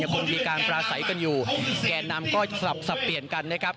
คงมีการปราศัยกันอยู่แก่นำก็สลับสับเปลี่ยนกันนะครับ